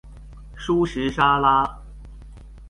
蔬食沙拉